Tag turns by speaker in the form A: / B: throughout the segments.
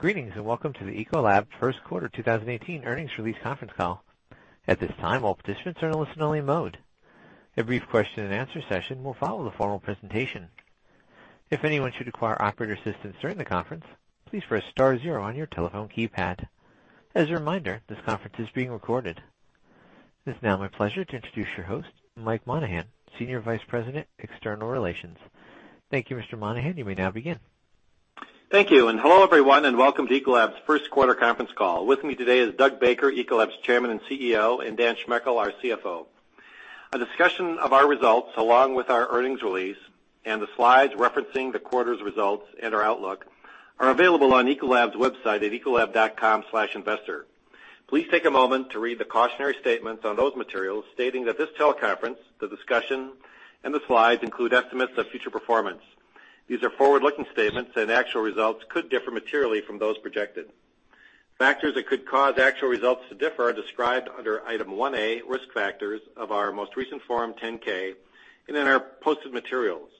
A: Greetings, and welcome to the Ecolab First Quarter 2018 Earnings Release Conference Call. At this time, all participants are in listen-only mode. A brief question and answer session will follow the formal presentation. If anyone should require operator assistance during the conference, please press star zero on your telephone keypad. As a reminder, this conference is being recorded. It is now my pleasure to introduce your host, Mike Monahan, Senior Vice President, External Relations. Thank you, Mr. Monahan. You may now begin.
B: Thank you, and hello everyone, and welcome to Ecolab's first quarter conference call. With me today is Doug Baker, Ecolab's Chairman and CEO, and Dan Schmechel, our CFO. A discussion of our results, along with our earnings release and the slides referencing the quarter's results and our outlook, are available on Ecolab's website at ecolab.com/investor. Please take a moment to read the cautionary statements on those materials stating that this teleconference, the discussion, and the slides include estimates of future performance. These are forward-looking statements, and actual results could differ materially from those projected. Factors that could cause actual results to differ are described under Item 1A, Risk Factors, of our most recent Form 10-K and in our posted materials.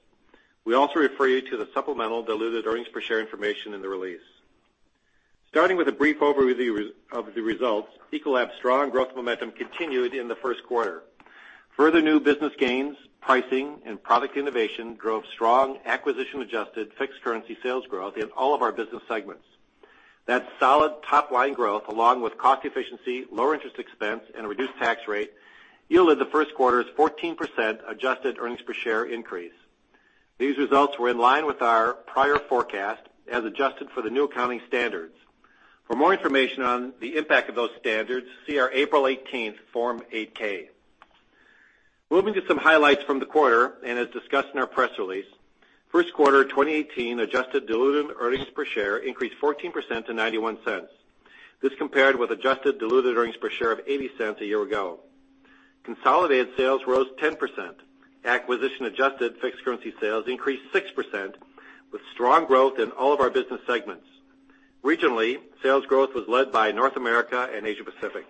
B: We also refer you to the supplemental diluted earnings per share information in the release. Starting with a brief overview of the results, Ecolab's strong growth momentum continued in the first quarter. Further new business gains, pricing, and product innovation drove strong acquisition-adjusted fixed currency sales growth in all of our business segments. That solid top-line growth, along with cost efficiency, lower interest expense, and a reduced tax rate, yielded the first quarter's 14% adjusted earnings per share increase. These results were in line with our prior forecast as adjusted for the new accounting standards. For more information on the impact of those standards, see our April 18th Form 8-K. Moving to some highlights from the quarter, as discussed in our press release, first quarter 2018 adjusted diluted earnings per share increased 14% to $0.91. This compared with adjusted diluted earnings per share of $0.80 a year ago. Consolidated sales rose 10%. Acquisition adjusted fixed currency sales increased 6%, with strong growth in all of our business segments. Regionally, sales growth was led by North America and Asia Pacific.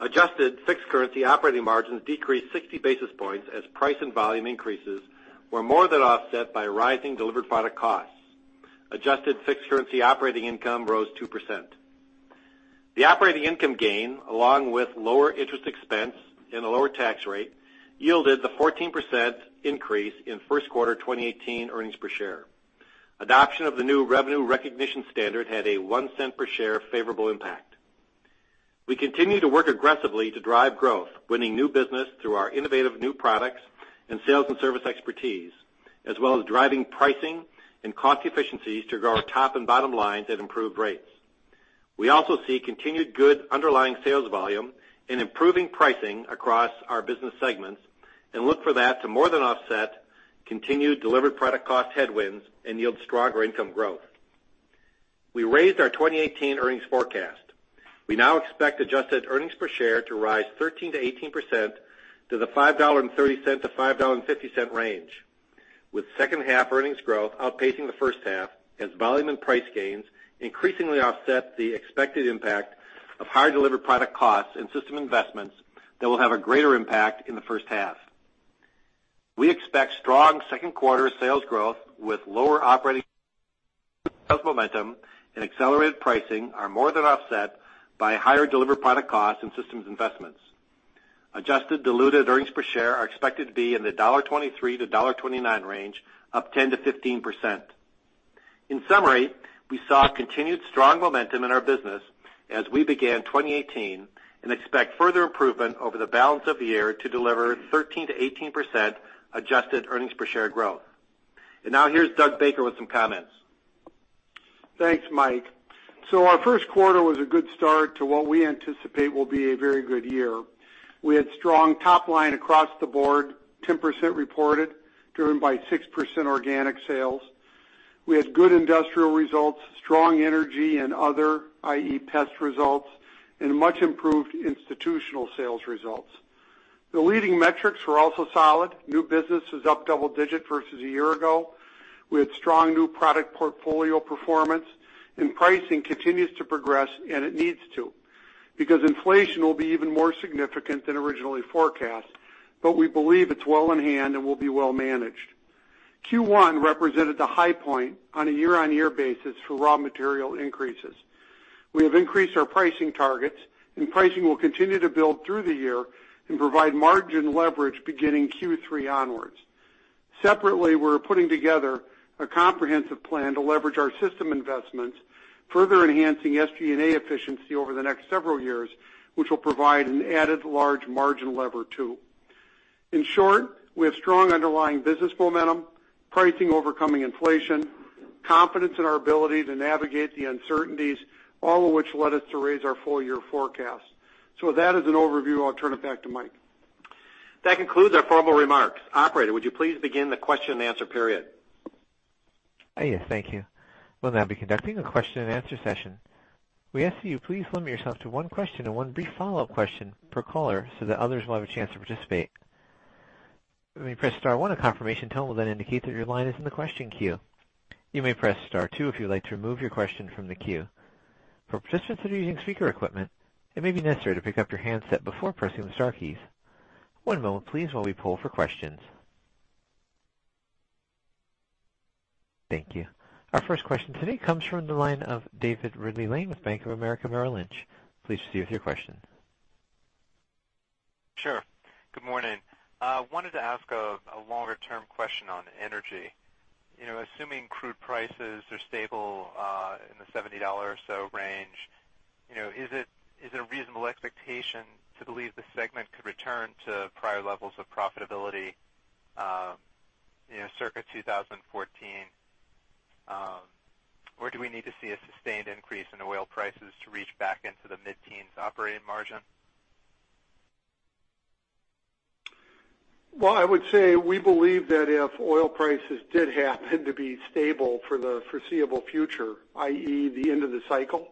B: Adjusted fixed currency operating margins decreased 60 basis points as price and volume increases were more than offset by rising delivered product costs. Adjusted fixed currency operating income rose 2%. The operating income gain, along with lower interest expense and a lower tax rate, yielded the 14% increase in first quarter 2018 earnings per share. Adoption of the new revenue recognition standard had a $0.01 per share favorable impact. We continue to work aggressively to drive growth, winning new business through our innovative new products and sales and service expertise, as well as driving pricing and cost efficiencies to grow our top and bottom lines at improved rates. We also see continued good underlying sales volume and improving pricing across our business segments and look for that to more than offset continued delivered product cost headwinds and yield stronger income growth. We raised our 2018 earnings forecast. We now expect adjusted earnings per share to rise 13%-18% to the $5.30-$5.50 range, with second half earnings growth outpacing the first half as volume and price gains increasingly offset the expected impact of higher delivered product costs and system investments that will have a greater impact in the first half. We expect strong second quarter sales growth with lower operating sales momentum and accelerated pricing are more than offset by higher delivered product costs and systems investments. Adjusted diluted earnings per share are expected to be in the $1.23-$1.29 range, up 10%-15%. In summary, we saw continued strong momentum in our business as we began 2018 and expect further improvement over the balance of the year to deliver 13%-18% adjusted earnings per share growth. Now here's Doug Baker with some comments.
C: Thanks, Mike. Our first quarter was a good start to what we anticipate will be a very good year. We had strong top line across the board, 10% reported, driven by 6% organic sales. We had good industrial results, strong energy and other, i.e., pests results, and much improved institutional sales results. The leading metrics were also solid. New business is up double digit versus a year ago. We had strong new product portfolio performance. Pricing continues to progress, and it needs to, because inflation will be even more significant than originally forecast. We believe it's well in hand and will be well managed. Q1 represented the high point on a year-on-year basis for raw material increases. We have increased our pricing targets. Pricing will continue to build through the year and provide margin leverage beginning Q3 onwards. Separately, we're putting together a comprehensive plan to leverage our system investments, further enhancing SG&A efficiency over the next several years, which will provide an added large margin lever too. In short, we have strong underlying business momentum, pricing overcoming inflation, confidence in our ability to navigate the uncertainties, all of which led us to raise our full-year forecast. With that as an overview, I'll turn it back to Mike.
B: That concludes our former remarks. Operator, would you please begin the question and answer period?
A: Yes, thank you. We'll now be conducting a question and answer session. We ask that you please limit yourself to one question and one brief follow-up question per caller so that others will have a chance to participate. You may press star one. A confirmation tone will then indicate that your line is in the question queue. You may press star two if you would like to remove your question from the queue. For participants that are using speaker equipment, it may be necessary to pick up your handset before pressing the star keys. One moment please while we poll for questions. Thank you. Our first question today comes from the line of David Ridley-Lane with Bank of America Merrill Lynch. Please proceed with your question.
D: Sure. Good morning. I wanted to ask a longer-term question on energy. Assuming crude prices are stable, in the $70 or so range, is it a reasonable expectation to believe the segment could return to prior levels of profitability, circa 2014? Do we need to see a sustained increase in oil prices to reach back into the mid-teens operating margin?
C: Well, I would say we believe that if oil prices did happen to be stable for the foreseeable future, i.e., the end of the cycle,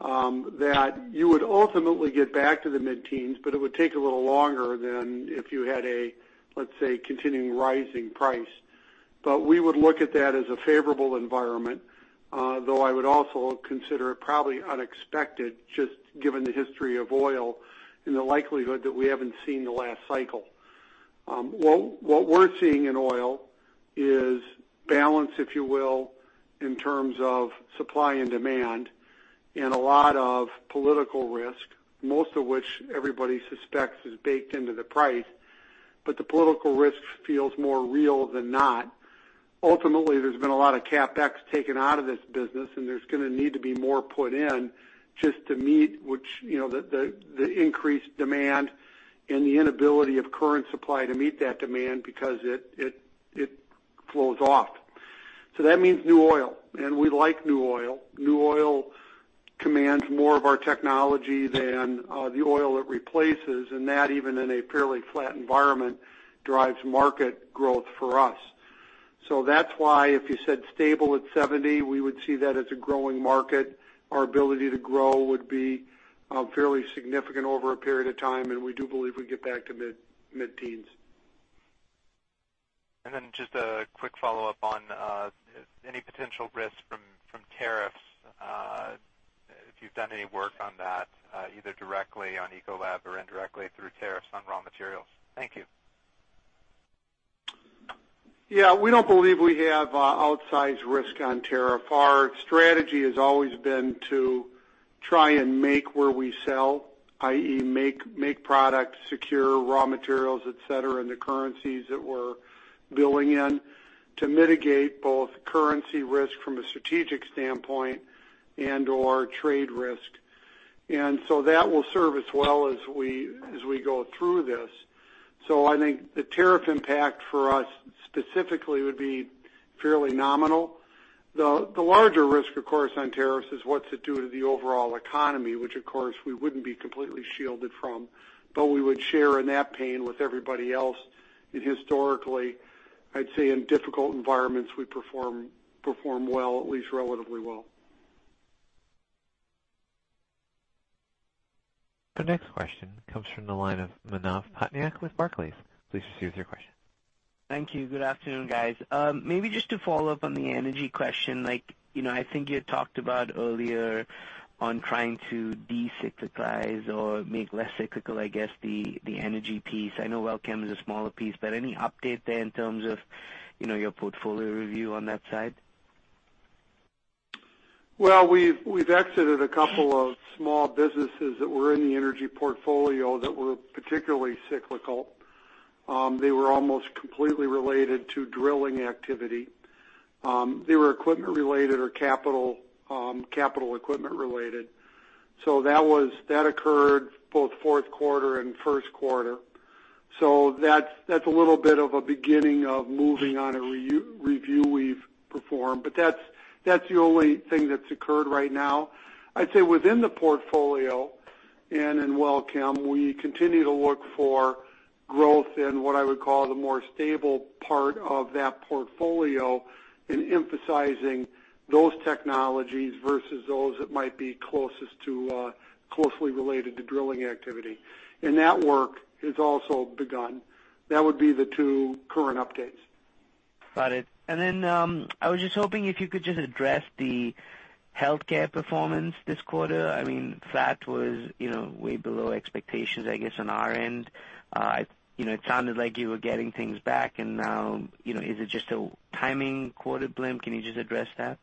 C: that you would ultimately get back to the mid-teens, it would take a little longer than if you had a, let's say, continuing rising price. We would look at that as a favorable environment. I would also consider it probably unexpected, just given the history of oil and the likelihood that we haven't seen the last cycle. What we're seeing in oil is balance, if you will, in terms of supply and demand and a lot of political risk, most of which everybody suspects is baked into the price, but the political risk feels more real than not. Ultimately, there's been a lot of CapEx taken out of this business. There's going to need to be more put in just to meet the increased demand and the inability of current supply to meet that demand because it flows off. That means new oil. We like new oil. New oil commands more of our technology than the oil it replaces, and that, even in a fairly flat environment, drives market growth for us. That's why if you said stable at 70, we would see that as a growing market. Our ability to grow would be fairly significant over a period of time, and we do believe we'd get back to mid-teens.
D: Just a quick follow-up on any potential risks from tariffs, if you've done any work on that, either directly on Ecolab or indirectly through tariffs on raw materials. Thank you.
C: We don't believe we have outsized risk on tariff. Our strategy has always been to try and make where we sell, i.e., make products, secure raw materials, et cetera, in the currencies that we're billing in to mitigate both currency risk from a strategic standpoint and/or trade risk. That will serve us well as we go through this. I think the tariff impact for us specifically would be fairly nominal. The larger risk, of course, on tariffs is what's it do to the overall economy, which of course, we wouldn't be completely shielded from, but we would share in that pain with everybody else. Historically, I'd say in difficult environments, we perform well, at least relatively well.
A: Our next question comes from the line of Manav Patnaik with Barclays. Please proceed with your question.
E: Thank you. Good afternoon, guys. Maybe just to follow up on the energy question. I think you had talked about earlier on trying to de-cyclize or make less cyclical, I guess, the energy piece. I know WellChem is a smaller piece, but any update there in terms of your portfolio review on that side?
C: Well, we've exited a couple of small businesses that were in the energy portfolio that were particularly cyclical. They were almost completely related to drilling activity. They were equipment related or capital equipment related. That occurred both fourth quarter and first quarter. That's a little bit of a beginning of moving on a review we've performed. That's the only thing that's occurred right now. I'd say within the portfolio and in WellChem, we continue to look for growth in what I would call the more stable part of that portfolio in emphasizing those technologies versus those that might be closely related to drilling activity. That work has also begun. That would be the two current updates.
E: Got it. I was just hoping if you could just address the healthcare performance this quarter. Flat was way below expectations, I guess, on our end. It sounded like you were getting things back and now, is it just a timing quarter blip? Can you just address that?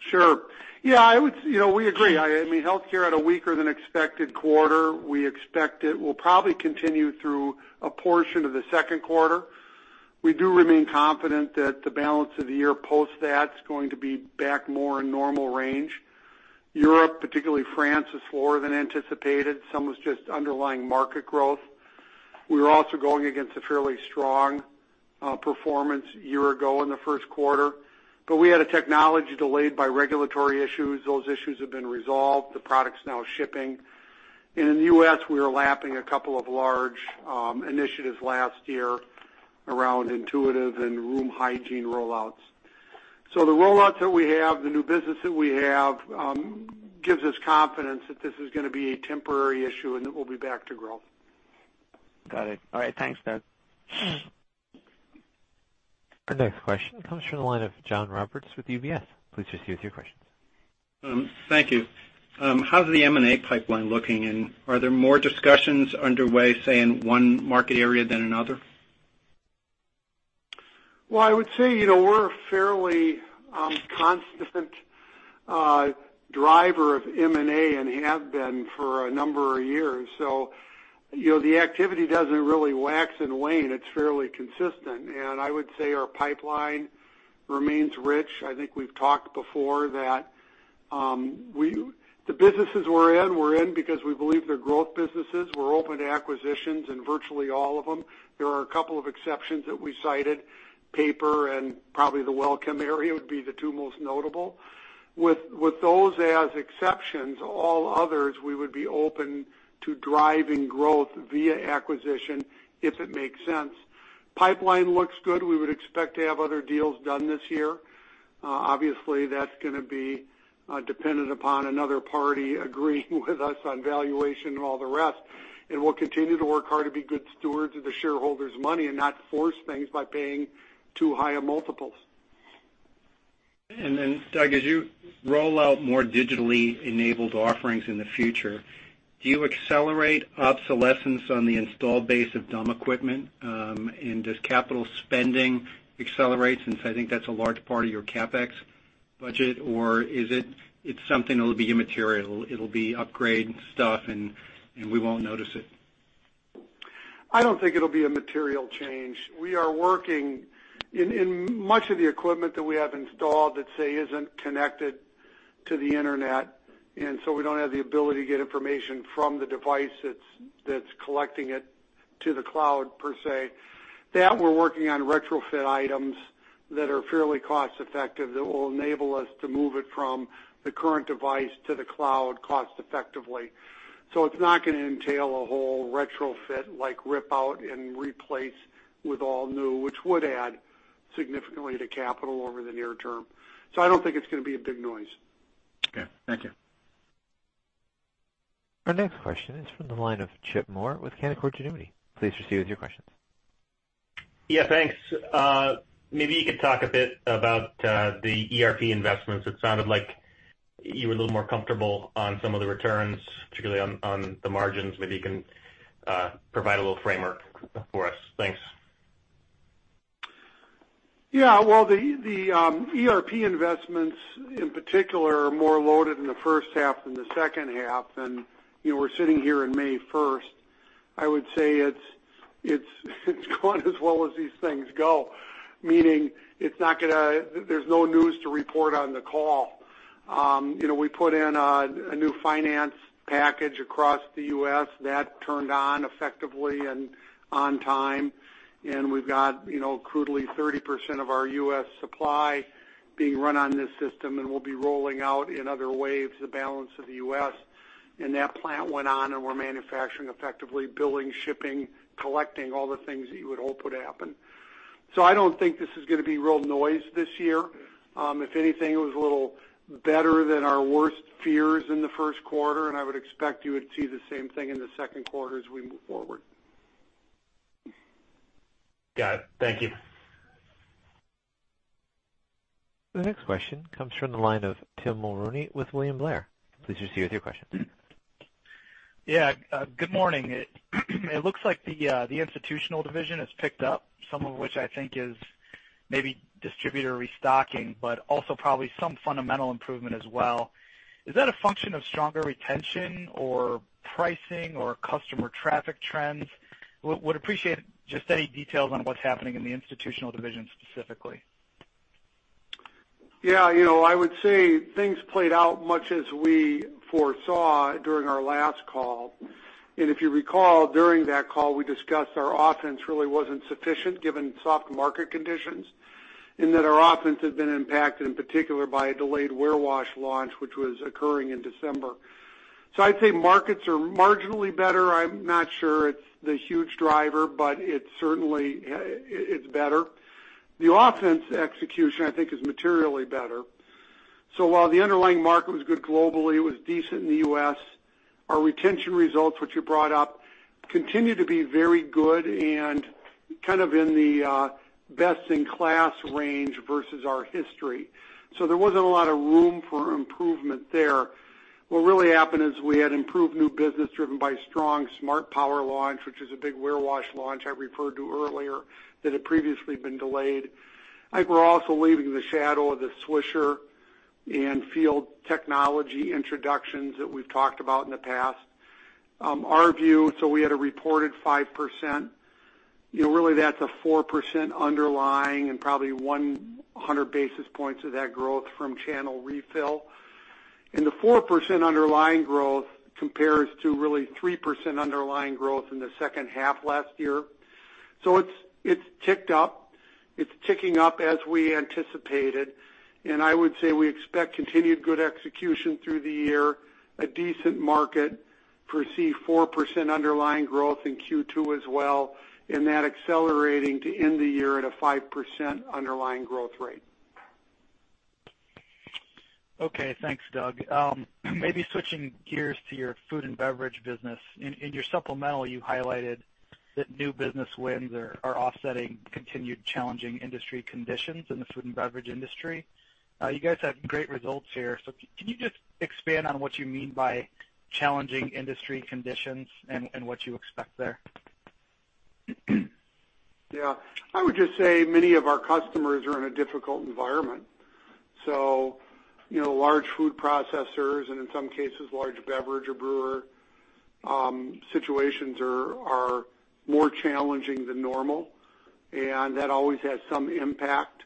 C: Sure. Yeah, we agree. Healthcare had a weaker than expected quarter. We expect it will probably continue through a portion of the second quarter. We do remain confident that the balance of the year post that's going to be back more in normal range. Europe, particularly France, is slower than anticipated. Some was just underlying market growth. We were also going against a fairly strong performance a year ago in the first quarter, but we had a technology delayed by regulatory issues. Those issues have been resolved. The product's now shipping. In the U.S., we are lapping a couple of large initiatives last year around intuitive and room hygiene rollouts. The rollouts that we have, the new business that we have, gives us confidence that this is going to be a temporary issue, and that we'll be back to growth.
E: Got it. All right. Thanks, Doug.
A: Our next question comes from the line of John Roberts with UBS. Please proceed with your questions.
F: Thank you. How's the M&A pipeline looking? Are there more discussions underway, say, in one market area than another?
C: Well, I would say, we're a fairly constant driver of M&A and have been for a number of years. The activity doesn't really wax and wane. It's fairly consistent. I would say our pipeline remains rich. I think we've talked before that the businesses we're in, we're in because we believe they're growth businesses. We're open to acquisitions in virtually all of them. There are a couple of exceptions that we cited, paper and probably the WellChem area would be the two most notable. With those as exceptions, all others, we would be open to driving growth via acquisition if it makes sense. Pipeline looks good. We would expect to have other deals done this year. Obviously, that's going to be dependent upon another party agreeing with us on valuation and all the rest, and we'll continue to work hard to be good stewards of the shareholders' money and not force things by paying too high of multiples.
F: Doug, as you roll out more digitally enabled offerings in the future, do you accelerate obsolescence on the installed base of dumb equipment? Does capital spending accelerate since I think that's a large part of your CapEx budget, or is it something that'll be immaterial? It'll be upgrade stuff, and we won't notice it.
C: I don't think it'll be a material change. We are working in much of the equipment that we have installed that, say, isn't connected to the internet, and so we don't have the ability to get information from the device that's collecting it to the cloud per se. We're working on retrofit items that are fairly cost-effective, that will enable us to move it from the current device to the cloud cost effectively. It's not going to entail a whole retrofit, like rip out and replace with all new, which would add significantly to capital over the near term. I don't think it's going to be a big noise.
F: Okay. Thank you.
A: Our next question is from the line of Chip Moore with Canaccord Genuity. Please proceed with your questions.
G: Yeah, thanks. Maybe you could talk a bit about the ERP investments. It sounded like you were a little more comfortable on some of the returns, particularly on the margins. Maybe you can provide a little framework for us. Thanks.
C: Yeah. Well, the ERP investments in particular are more loaded in the first half than the second half. We're sitting here in May 1st. I would say it's gone as well as these things go, meaning there's no news to report on the call. We put in a new finance package across the U.S., that turned on effectively and on time, we've got crudely 30% of our U.S. supply being run on this system, and we'll be rolling out in other waves, the balance of the U.S. That plant went on, and we're manufacturing effectively, billing, shipping, collecting, all the things that you would hope would happen. I don't think this is going to be real noise this year. If anything, it was a little better than our worst fears in the first quarter, I would expect you would see the same thing in the second quarter as we move forward.
G: Got it. Thank you.
A: The next question comes from the line of Tim Mulrooney with William Blair. Please proceed with your question.
H: Yeah. Good morning. It looks like the Institutional division has picked up, some of which I think is maybe distributor restocking, but also probably some fundamental improvement as well. Is that a function of stronger retention or pricing or customer traffic trends? Would appreciate just any details on what's happening in the Institutional division specifically.
C: Yeah. I would say things played out much as we foresaw during our last call. If you recall, during that call, we discussed our offense really wasn't sufficient given soft market conditions, and that our offense had been impacted, in particular, by a delayed warewash launch, which was occurring in December. I'd say markets are marginally better. I'm not sure it's the huge driver, but it certainly is better. The offense execution, I think, is materially better. While the underlying market was good globally, it was decent in the U.S. Our retention results, which you brought up, continue to be very good and kind of in the best-in-class range versus our history. There wasn't a lot of room for improvement there. What really happened is we had improved new business driven by strong SMARTPOWER launch, which is a big warewash launch I referred to earlier that had previously been delayed. I think we're also leaving the shadow of the Swisher and field technology introductions that we've talked about in the past. Our view, we had a reported 5%. Really, that's a 4% underlying and probably 100 basis points of that growth from channel refill. The 4% underlying growth compares to really 3% underlying growth in the second half last year. It's ticked up. It's ticking up as we anticipated, and I would say we expect continued good execution through the year, a decent market, foresee 4% underlying growth in Q2 as well, and that accelerating to end the year at a 5% underlying growth rate.
H: Okay. Thanks, Doug. Maybe switching gears to your food and beverage business. In your supplemental, you highlighted that new business wins are offsetting continued challenging industry conditions in the food and beverage industry. You guys have great results here. Can you just expand on what you mean by challenging industry conditions and what you expect there?
C: Yeah. I would just say many of our customers are in a difficult environment. Large food processors and in some cases, large beverage or brewer situations are more challenging than normal, and that always has some impact.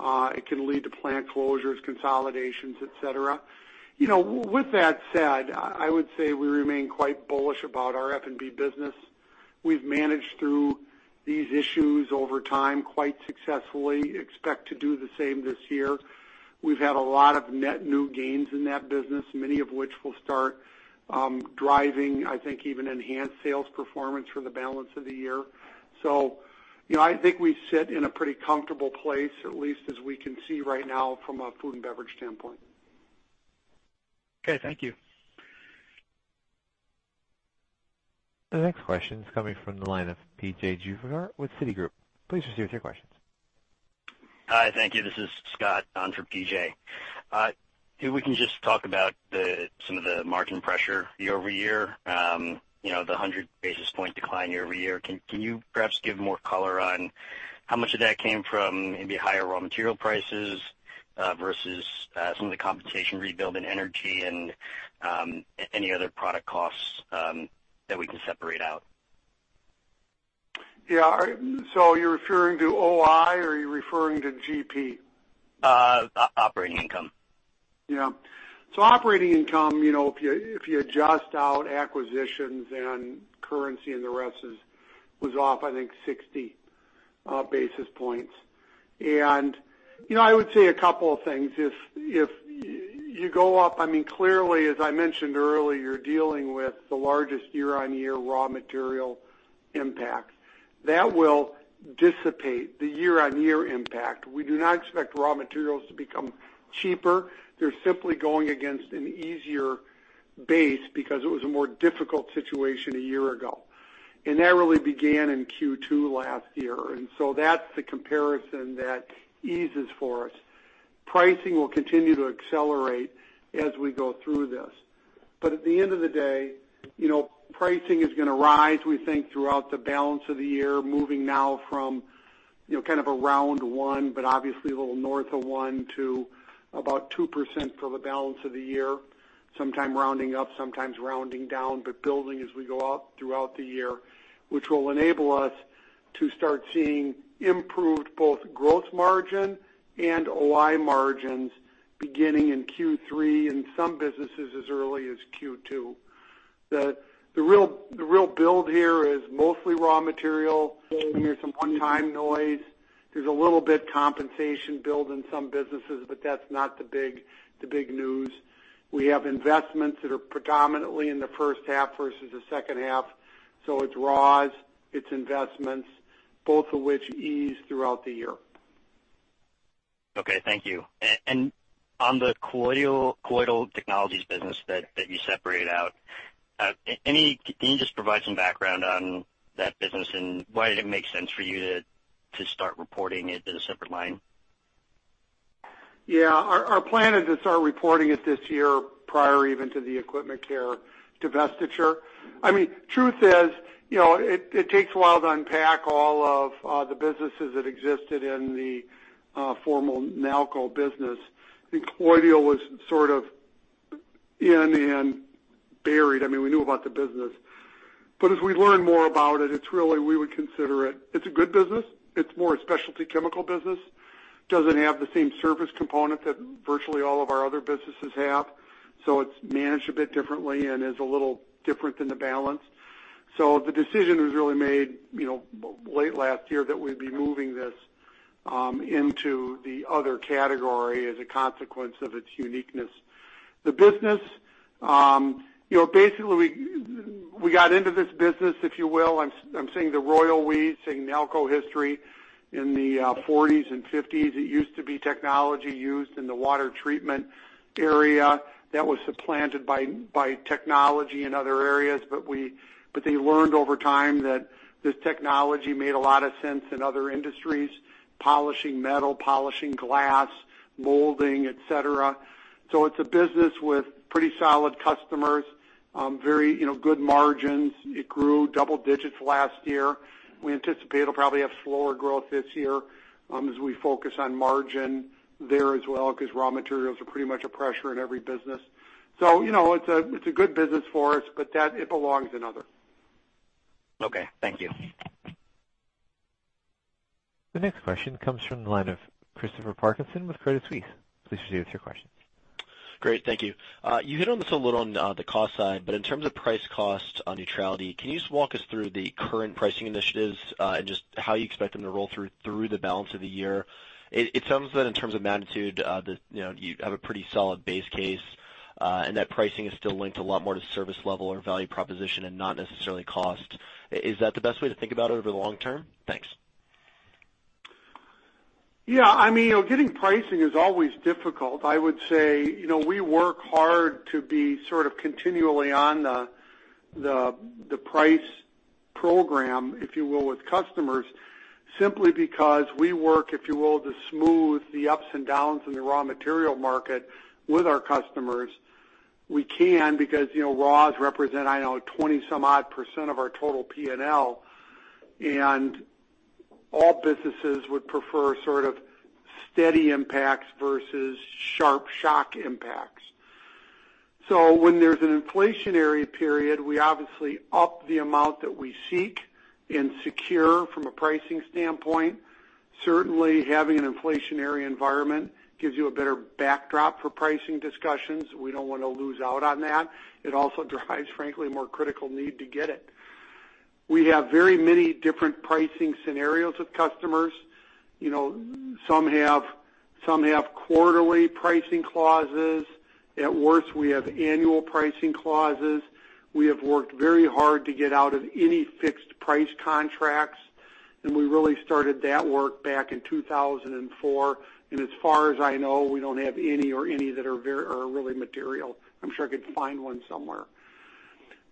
C: It can lead to plant closures, consolidations, et cetera. With that said, I would say we remain quite bullish about our F&B business. We've managed through these issues over time quite successfully, expect to do the same this year. We've had a lot of net new gains in that business, many of which will start driving, I think, even enhanced sales performance for the balance of the year. I think we sit in a pretty comfortable place, at least as we can see right now from a food and beverage standpoint.
H: Okay. Thank you.
A: The next question is coming from the line of P.J. Juvekar with Citigroup. Please proceed with your questions.
I: Hi. Thank you. This is Scott on for PJ. If we can just talk about some of the margin pressure year-over-year, the 100 basis point decline year-over-year. Can you perhaps give more color on how much of that came from maybe higher raw material prices, versus some of the compensation rebuild in energy and any other product costs that we can separate out?
C: Yeah. Are you referring to OI or are you referring to GP?
I: Operating income.
C: Yeah. Operating income, if you adjust out acquisitions and currency and the rest was off, I think 60 basis points. I would say a couple of things. If you go up, clearly, as I mentioned earlier, you're dealing with the largest year-on-year raw material impact. That will dissipate the year-on-year impact. We do not expect raw materials to become cheaper. They're simply going against an easier base because it was a more difficult situation a year ago. That really began in Q2 last year, that's the comparison that eases for us. Pricing will continue to accelerate as we go through this. At the end of the day, pricing is going to rise, we think, throughout the balance of the year, moving now from kind of around one, obviously a little north of one to about 2% for the balance of the year, sometime rounding up, sometimes rounding down, but building as we go up throughout the year, which will enable us to start seeing improved both gross margin and OI margins beginning in Q3, and some businesses as early as Q2. The real build here is mostly raw material. There's some one-time noise. There's a little bit compensation build in some businesses, but that's not the big news. We have investments that are predominantly in the first half versus the second half. It's raws, it's investments, both of which ease throughout the year.
I: Okay. Thank you. On the Colloidal Technologies business that you separated out, can you just provide some background on that business and why did it make sense for you to start reporting it as a separate line?
C: Yeah. Our plan is to start reporting it this year prior even to the equipment care divestiture. Truth is, it takes a while to unpack all of the businesses that existed in the former Nalco business. I think Colloidal was sort of in and buried. We knew about the business. As we learn more about it, we would consider it. It's a good business. It's more a specialty chemical business. Doesn't have the same service component that virtually all of our other businesses have. It's managed a bit differently and is a little different than the balance. The decision was really made late last year that we'd be moving this into the other category as a consequence of its uniqueness. Basically, we got into this business, if you will, I'm saying the Royal we, saying Nalco history in the '40s and '50s. It used to be technology used in the water treatment area that was supplanted by technology in other areas. They learned over time that this technology made a lot of sense in other industries, polishing metal, polishing glass, molding, et cetera. It's a business with pretty solid customers, very good margins. It grew double digits last year. We anticipate it'll probably have slower growth this year as we focus on margin there as well because raw materials are pretty much a pressure in every business. It's a good business for us, but it belongs in other.
I: Okay. Thank you.
A: The next question comes from the line of Christopher Parkinson with Credit Suisse. Please proceed with your questions.
J: Great. Thank you. You hit on this a little on the cost side, but in terms of price cost neutrality, can you just walk us through the current pricing initiatives and just how you expect them to roll through the balance of the year? It sounds that in terms of magnitude, you have a pretty solid base case, and that pricing is still linked a lot more to service level or value proposition and not necessarily cost. Is that the best way to think about it over the long term? Thanks.
C: Yeah. Getting pricing is always difficult. I would say, we work hard to be continually on the price program, if you will, with customers, simply because we work, if you will, to smooth the ups and downs in the raw material market with our customers. We can, because raws represent, I know, 20-some-odd percent of our total P&L, and all businesses would prefer steady impacts versus sharp shock impacts. When there's an inflationary period, we obviously up the amount that we seek and secure from a pricing standpoint. Having an inflationary environment gives you a better backdrop for pricing discussions. We don't want to lose out on that. It also drives, frankly, more critical need to get it. We have very many different pricing scenarios with customers. Some have quarterly pricing clauses. At worst, we have annual pricing clauses. We have worked very hard to get out of any fixed price contracts, and we really started that work back in 2004. As far as I know, we don't have any or any that are really material. I'm sure I could find one somewhere.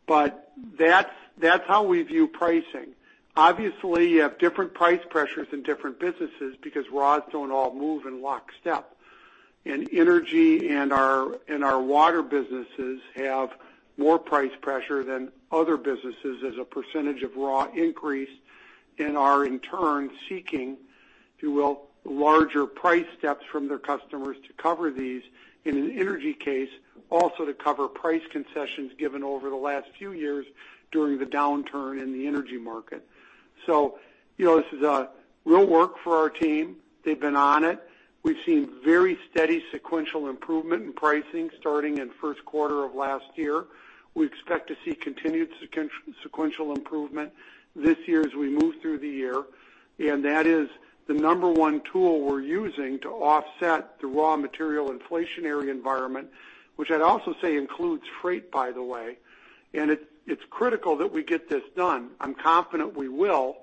C: But that's how we view pricing. Obviously, you have different price pressures in different businesses because raws don't all move in lockstep. Energy and our water businesses have more price pressure than other businesses as a percentage of raw increase and are, in turn, seeking, if you will, larger price steps from their customers to cover these. In an energy case, also to cover price concessions given over the last few years during the downturn in the energy market. This is real work for our team. They've been on it. We've seen very steady sequential improvement in pricing starting in first quarter of last year. We expect to see continued sequential improvement this year as we move through the year. That is the number one tool we're using to offset the raw material inflationary environment, which I'd also say includes freight, by the way. It's critical that we get this done. I'm confident we will,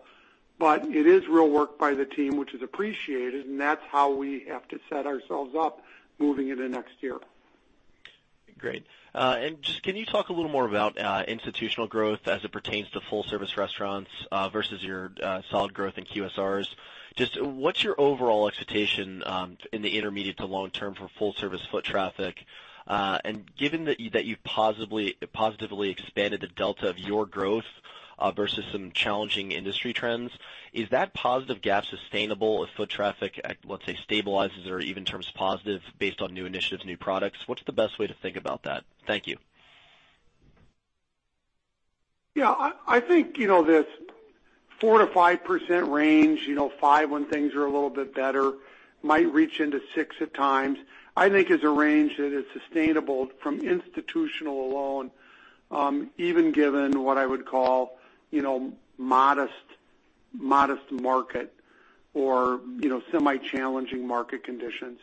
C: but it is real work by the team, which is appreciated, and that's how we have to set ourselves up moving into next year.
J: Great. Just can you talk a little more about institutional growth as it pertains to full service restaurants versus your solid growth in QSRs? Just what's your overall expectation in the intermediate to long term for full service foot traffic? Given that you've positively expanded the delta of your growth versus some challenging industry trends, is that positive gap sustainable if foot traffic, let's say, stabilizes or even turns positive based on new initiatives, new products? What's the best way to think about that? Thank you.
C: I think this 4%-5% range, 5% when things are a little bit better, might reach into 6% at times. I think it's a range that is sustainable from institutional alone, even given what I would call modest market or semi-challenging market conditions.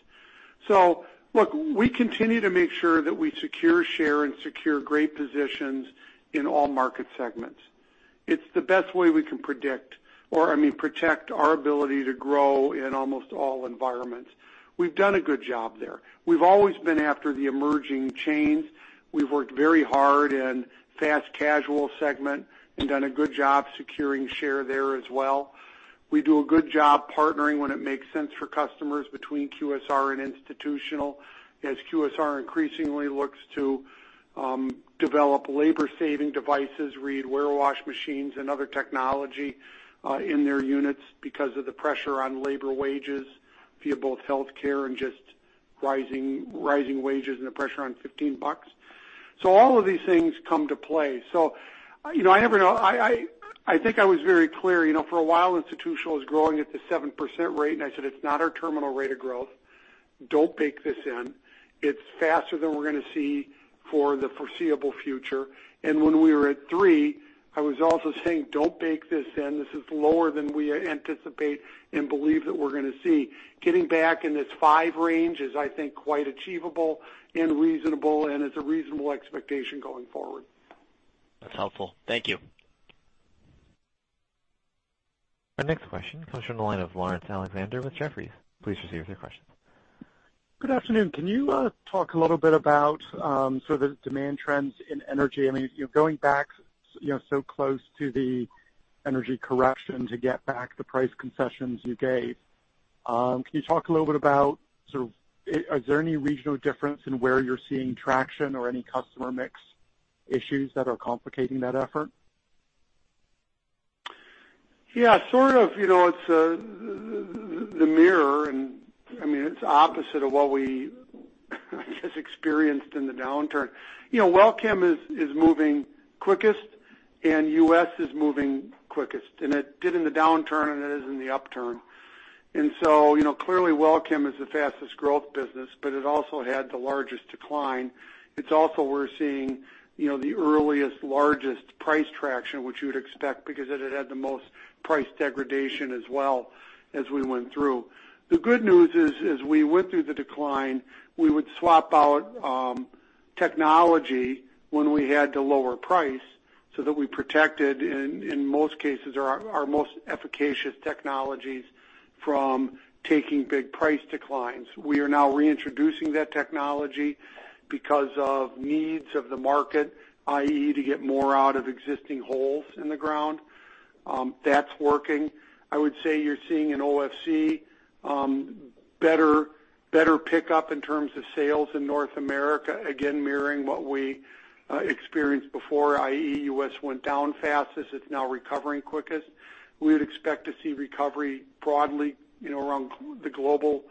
C: Look, we continue to make sure that we secure share and secure great positions in all market segments. It's the best way we can protect our ability to grow in almost all environments. We've done a good job there. We've always been after the emerging chains. We've worked very hard in fast casual segment and done a good job securing share there as well. We do a good job partnering when it makes sense for customers between QSR and institutional, as QSR increasingly looks to develop labor saving devices, read warewash machines and other technology in their units because of the pressure on labor wages via both healthcare and just rising wages and the pressure on $15. All of these things come to play. I think I was very clear. For a while, institutional is growing at the 7% rate, I said it's not our terminal rate of growth. Don't bake this in. It's faster than we're going to see for the foreseeable future. When we were at three, I was also saying, "Don't bake this in. This is lower than we anticipate and believe that we're going to see." Getting back in this five range is, I think, quite achievable and reasonable, and it's a reasonable expectation going forward.
J: That's helpful. Thank you.
A: Our next question comes from the line of Laurence Alexander with Jefferies. Please proceed with your question.
K: Good afternoon. Can you talk a little bit about the demand trends in energy? I mean, going back so close to the energy correction to get back the price concessions you gave, can you talk a little bit about is there any regional difference in where you're seeing traction or any customer mix issues that are complicating that effort?
C: Yeah. Sort of. It's the mirror and it's opposite of what we just experienced in the downturn. WellChem is moving quickest and U.S. is moving quickest. It did in the downturn, and it is in the upturn. Clearly, WellChem is the fastest growth business, but it also had the largest decline. It's also, we're seeing the earliest, largest price traction, which you would expect because it had the most price degradation as well as we went through. The good news is, as we went through the decline, we would swap out Technology when we had to lower price so that we protected, in most cases, our most efficacious technologies from taking big price declines. We are now reintroducing that technology because of needs of the market, i.e., to get more out of existing holes in the ground. That's working. I would say you're seeing an OFC, better pick up in terms of sales in North America, again, mirroring what we experienced before, i.e., U.S. went down fastest, it's now recovering quickest. We would expect to see recovery broadly around the global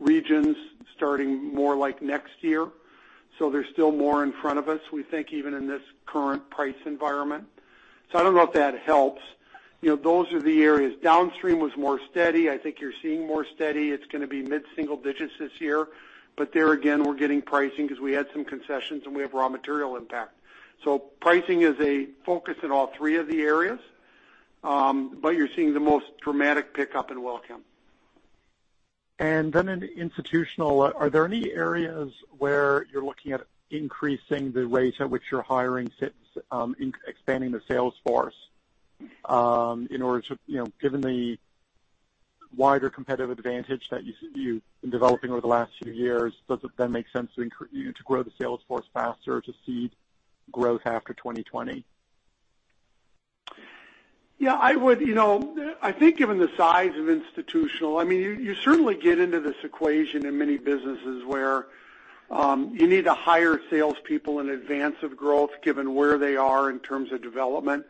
C: regions starting more like next year. There's still more in front of us, we think, even in this current price environment. I don't know if that helps. Those are the areas. Downstream was more steady. I think you're seeing more steady. It's going to be mid-single digits this year. There again, we're getting pricing because we had some concessions, and we have raw material impact. Pricing is a focus in all three of the areas, but you're seeing the most dramatic pickup in well count.
K: In Institutional, are there any areas where you're looking at increasing the rate at which you're hiring, expanding the sales force in order to given the wider competitive advantage that you've been developing over the last few years, does it make sense to grow the sales force faster to seed growth after 2020?
C: Yeah. I think given the size of Institutional, you certainly get into this equation in many businesses where you need to hire salespeople in advance of growth given where they are in terms of development,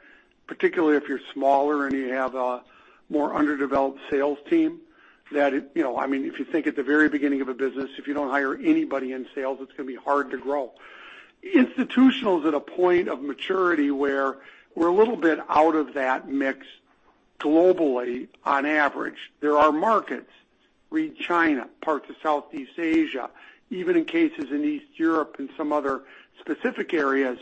C: particularly if you're smaller and you have a more underdeveloped sales team. If you think at the very beginning of a business, if you don't hire anybody in sales, it's going to be hard to grow. Institutional is at a point of maturity where we're a little bit out of that mix globally on average. There are markets, read China, parts of Southeast Asia, even in cases in East Europe and some other specific areas,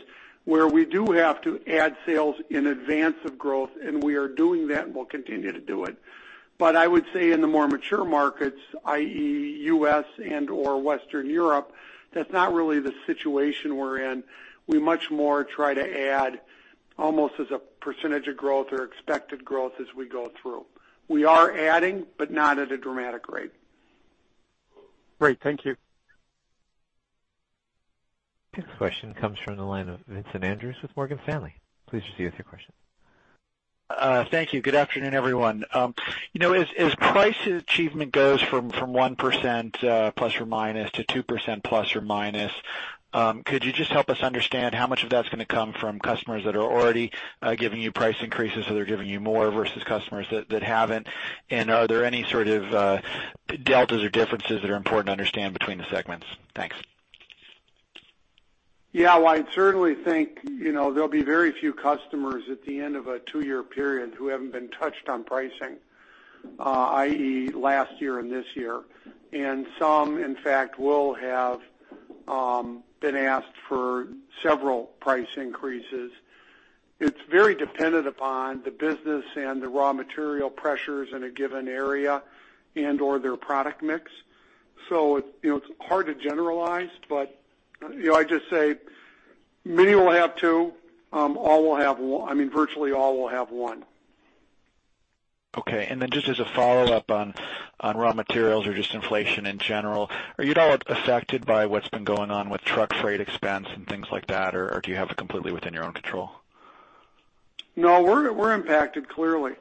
C: where we do have to add sales in advance of growth, and we are doing that and will continue to do it. I would say in the more mature markets, i.e., U.S. and/or Western Europe, that's not really the situation we're in. We much more try to add almost as a percentage of growth or expected growth as we go through. We are adding, but not at a dramatic rate.
K: Great. Thank you.
A: Next question comes from the line of Vincent Andrews with Morgan Stanley. Please proceed with your question.
L: Thank you. Good afternoon, everyone. As price achievement goes from 1% ± to 2% ±, could you just help us understand how much of that's going to come from customers that are already giving you price increases, so they're giving you more versus customers that haven't? Are there any sort of deltas or differences that are important to understand between the segments? Thanks.
C: Yeah. Well, I certainly think there'll be very few customers at the end of a two-year period who haven't been touched on pricing, i.e., last year and this year. Some, in fact, will have been asked for several price increases. It's very dependent upon the business and the raw material pressures in a given area and/or their product mix. It's hard to generalize, but I'd just say many will have two. Virtually all will have one.
L: Okay. Just as a follow-up on raw materials or just inflation in general, are you at all affected by what's been going on with truck freight expense and things like that, or do you have it completely within your own control?
C: No, we're impacted, clearly.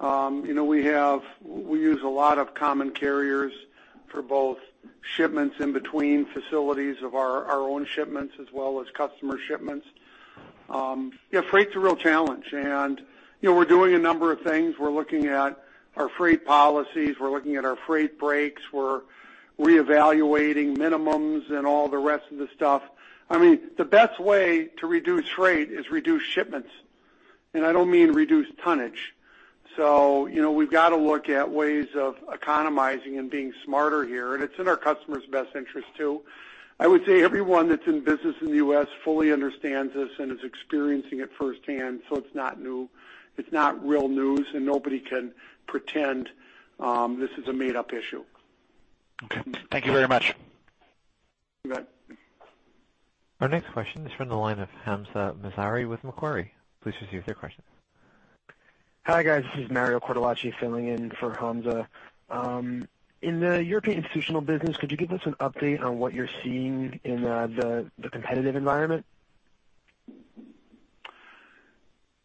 C: We use a lot of common carriers for both shipments in between facilities of our own shipments as well as customer shipments. Freight's a real challenge. We're doing a number of things. We're looking at our freight policies. We're looking at our freight breaks. We're reevaluating minimums and all the rest of the stuff. The best way to reduce freight is reduce shipments, and I don't mean reduce tonnage. We've got to look at ways of economizing and being smarter here, and it's in our customers' best interest, too. I would say everyone that's in business in the U.S. fully understands this and is experiencing it firsthand, so it's not new. It's not real news, and nobody can pretend this is a made-up issue.
L: Okay. Thank you very much.
C: You bet.
A: Our next question is from the line of Hamzah Mazari with Macquarie. Please proceed with your question.
M: Hi, guys. This is Mario Cortellacci filling in for Hamzah. In the European institutional business, could you give us an update on what you're seeing in the competitive environment?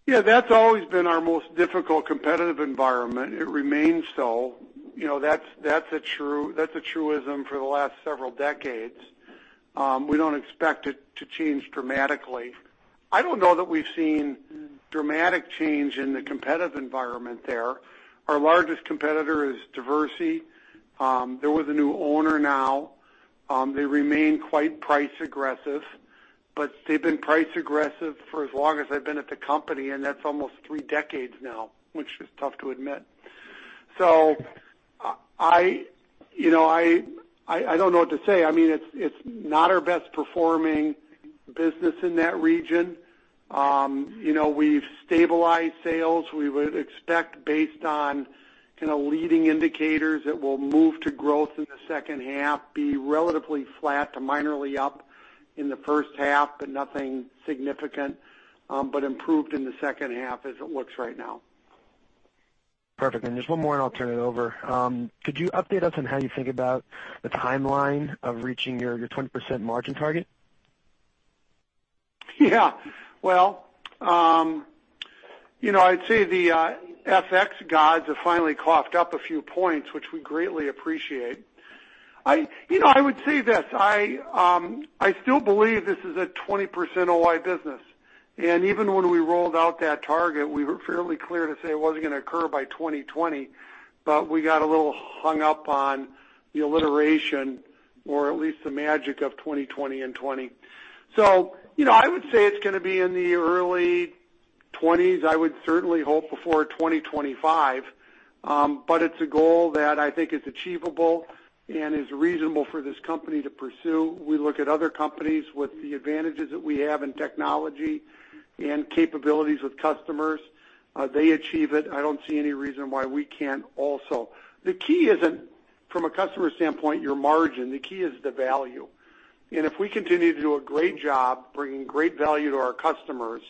C: That's always been our most difficult competitive environment. It remains so. That's a truism for the last several decades. I don't know that we've seen dramatic change in the competitive environment there. Our largest competitor is Diversey. There was a new owner now. They remain quite price-aggressive, but they've been price-aggressive for as long as I've been at the company, and that's almost 3 decades now, which is tough to admit. I don't know what to say. It's not our best performing business in that region. We've stabilized sales. We would expect, based on kind of leading indicators, that we'll move to growth in the second half, be relatively flat to minorly up in the first half, but nothing significant. Improved in the second half as it looks right now.
M: Perfect. Just one more and I'll turn it over. Could you update us on how you think about the timeline of reaching your 20% margin target?
C: Well, I'd say the FX gods have finally coughed up a few points, which we greatly appreciate. I would say this, I still believe this is a 20% OI business. Even when we rolled out that target, we were fairly clear to say it wasn't going to occur by 2020, we got a little hung up on the alliteration or at least the magic of 2020 and 20. I would say it's going to be in the early '20s. I would certainly hope before 2025. It's a goal that I think is achievable and is reasonable for this company to pursue. We look at other companies with the advantages that we have in technology and capabilities with customers. They achieve it, I don't see any reason why we can't also. The key isn't from a customer standpoint, your margin. The key is the value. If we continue to do a great job bringing great value to our customers,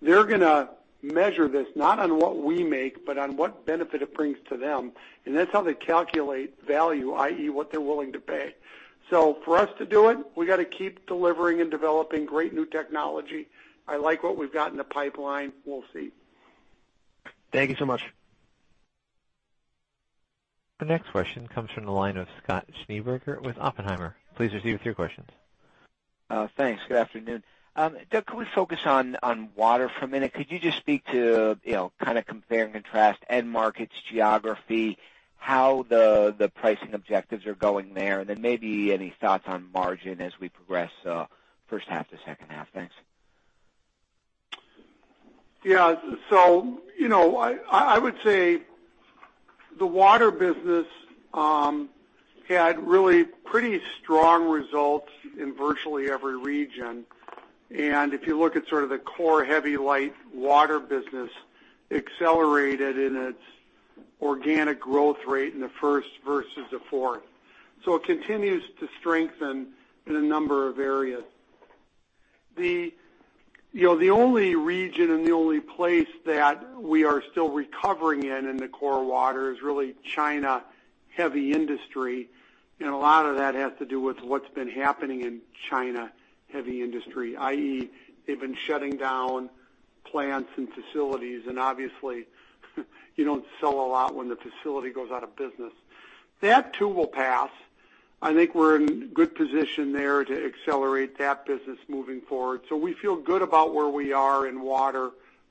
C: they're going to measure this not on what we make, but on what benefit it brings to them. That's how they calculate value, i.e., what they're willing to pay. For us to do it, we've got to keep delivering and developing great new technology. I like what we've got in the pipeline. We'll see.
M: Thank you so much.
A: The next question comes from the line of Scott Schneeberger with Oppenheimer. Please proceed with your questions.
N: Thanks. Good afternoon. Doug, can we focus on water for a minute? Could you just speak to kind of compare and contrast end markets, geography, how the pricing objectives are going there, and then maybe any thoughts on margin as we progress first half to second half? Thanks.
C: Yeah. I would say the water business had really pretty strong results in virtually every region. If you look at sort of the core heavy light water business accelerated in its organic growth rate in the first versus the fourth. It continues to strengthen in a number of areas. The only region and the only place that we are still recovering in in the core water is really China heavy industry. A lot of that has to do with what's been happening in China heavy industry, i.e., they've been shutting down plants and facilities, and obviously you don't sell a lot when the facility goes out of business. That too will pass. I think we're in good position there to accelerate that business moving forward. We feel good about where we are in water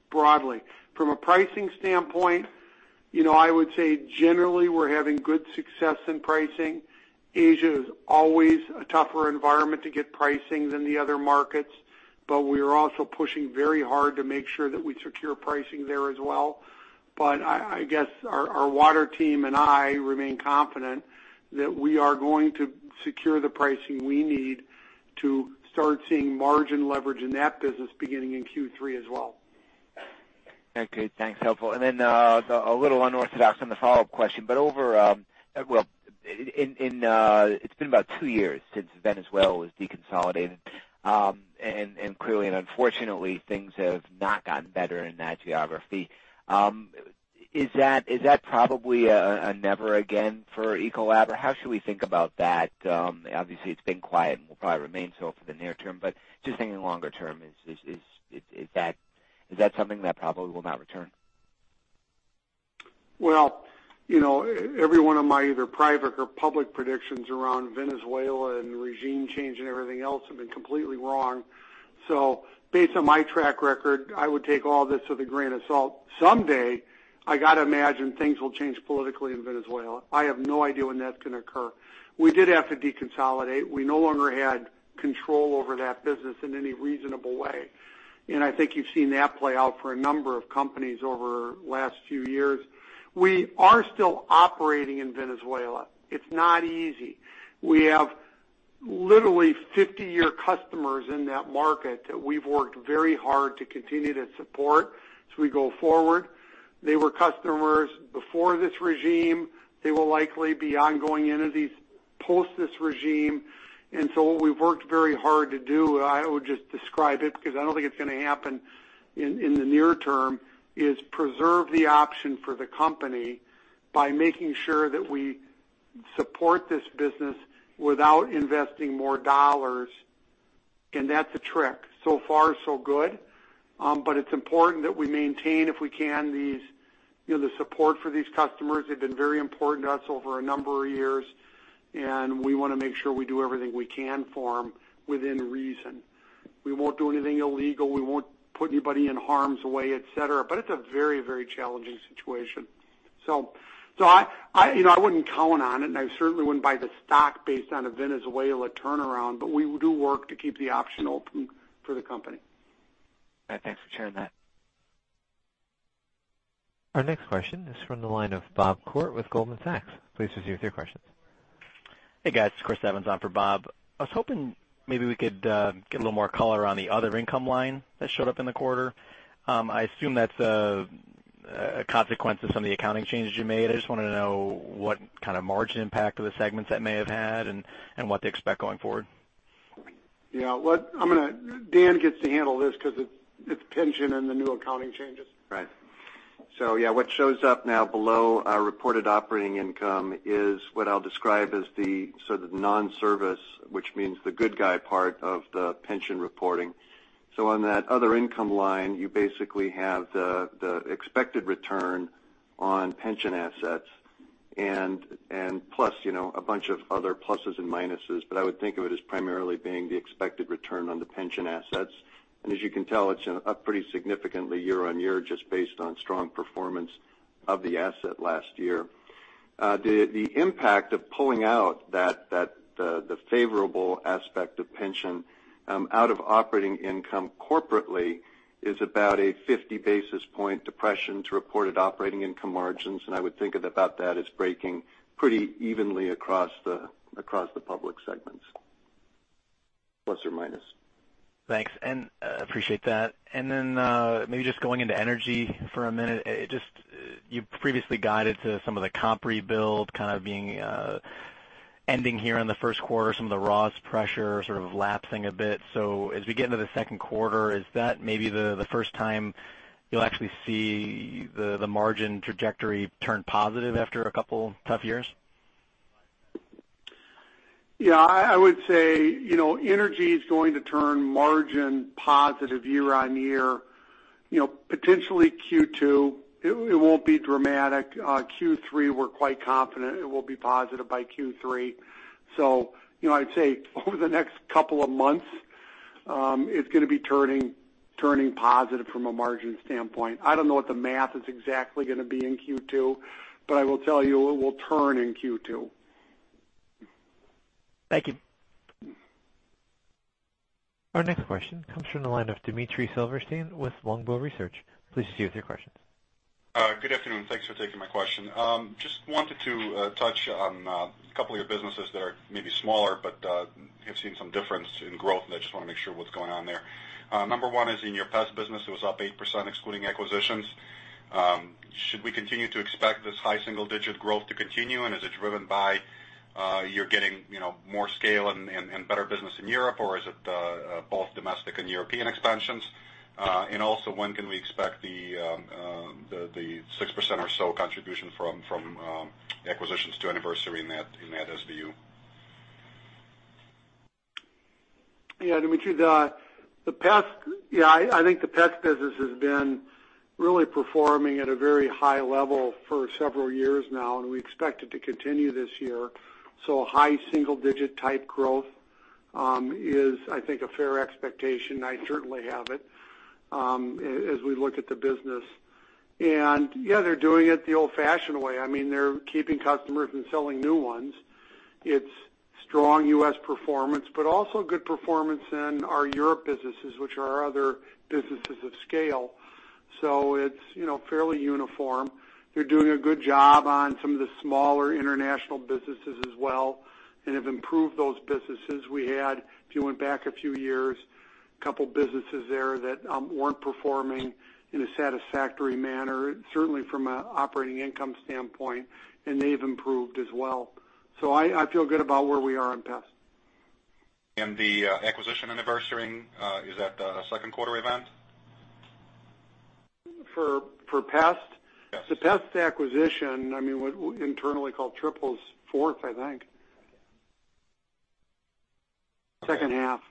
C: broadly. From a pricing standpoint, I would say generally we're having good success in pricing. Asia is always a tougher environment to get pricing than the other markets, but we are also pushing very hard to make sure that we secure pricing there as well. I guess our water team and I remain confident that we are going to secure the pricing we need to start seeing margin leverage in that business beginning in Q3 as well.
N: Okay, thanks. Helpful. A little unorthodox on the follow-up question, but it's been about two years since Venezuela was deconsolidated. Clearly and unfortunately, things have not gotten better in that geography. Is that probably a never again for Ecolab, or how should we think about that? Obviously, it's been quiet and will probably remain so for the near term, but just thinking longer term, is that something that probably will not return?
C: Well, every one of my either private or public predictions around Venezuela and regime change and everything else have been completely wrong. Based on my track record, I would take all this with a grain of salt. Someday, I got to imagine things will change politically in Venezuela. I have no idea when that's going to occur. We did have to deconsolidate. We no longer had control over that business in any reasonable way. I think you've seen that play out for a number of companies over last few years. We are still operating in Venezuela. It's not easy. We have literally 50-year customers in that market that we've worked very hard to continue to support as we go forward. They were customers before this regime. They will likely be ongoing entities post this regime. What we've worked very hard to do, I would just describe it because I don't think it's going to happen in the near term, is preserve the option for the company by making sure that we support this business without investing more $. And that's a trick. So far so good, but it's important that we maintain, if we can, the support for these customers. They've been very important to us over a number of years, and we want to make sure we do everything we can for them within reason. We won't do anything illegal. We won't put anybody in harm's way, et cetera. It's a very, very challenging situation. I wouldn't count on it, and I certainly wouldn't buy the stock based on a Venezuela turnaround, but we will do work to keep the option open for the company.
N: All right. Thanks for sharing that.
A: Our next question is from the line of Bob Koort with Goldman Sachs. Please proceed with your questions.
O: Hey, guys. It's Christopher Evans on for Bob. I was hoping maybe we could get a little more color on the other income line that showed up in the quarter. I assume that's a consequence of some of the accounting changes you made. I just wanted to know what kind of margin impact of the segments that may have had and what to expect going forward.
C: Yeah. Dan gets to handle this because it's pension and the new accounting changes.
P: Right. Yeah, what shows up now below our reported operating income is what I'll describe as the sort of non-service, which means the good guy part of the pension reporting. On that other income line, you basically have the expected return on pension assets and plus a bunch of other pluses and minuses. I would think of it as primarily being the expected return on the pension assets. As you can tell, it's up pretty significantly year-on-year, just based on strong performance of the asset last year. The impact of pulling out the favorable aspect of pension out of operating income corporately is about a 50 basis point depression to reported operating income margins, and I would think about that as breaking pretty evenly across the public segments. Plus or minus.
O: Thanks. Appreciate that. Then, maybe just going into energy for a minute. You previously guided to some of the comp rebuild kind of ending here in the first quarter, some of the raws pressure sort of lapsing a bit. As we get into the second quarter, is that maybe the first time you'll actually see the margin trajectory turn positive after a couple tough years?
C: Yeah, I would say, energy is going to turn margin positive year-on-year, potentially Q2. It won't be dramatic. Q3, we're quite confident it will be positive by Q3. I'd say over the next couple of months, it's going to be turning positive from a margin standpoint. I don't know what the math is exactly going to be in Q2, but I will tell you, it will turn in Q2.
O: Thank you.
A: Our next question comes from the line of Dmitry Silversteyn with Longbow Research. Please proceed with your questions.
Q: Good afternoon. Thanks for taking my question. Just wanted to touch on a couple of your businesses that are maybe smaller, but have seen some difference in growth, and I just want to make sure what's going on there. Number one is in your pest business, it was up 8% excluding acquisitions. Should we continue to expect this high single-digit growth to continue? Is it driven by you're getting more scale and better business in Europe, or is it both domestic and European expansions? When can we expect the 6% or so contribution from acquisitions to anniversary in that SDU?
C: Yeah, Dmitry. I think the pest business has been really performing at a very high level for several years now, and we expect it to continue this year. High single-digit type growth is, I think, a fair expectation. I certainly have it as we look at the business. Yeah, they're doing it the old-fashioned way. They're keeping customers and selling new ones. It's strong U.S. performance, but also good performance in our Europe businesses, which are our other businesses of scale. It's fairly uniform. They're doing a good job on some of the smaller international businesses as well and have improved those businesses. We had, if you went back a few years, a couple of businesses there that weren't performing in a satisfactory manner, certainly from an operating income standpoint, and they've improved as well. I feel good about where we are in pest.
Q: The acquisition anniversarying, is that a second quarter event?
C: For pest?
Q: Yes.
C: The pest acquisition, what we internally call Triples, fourth, I think. Second half.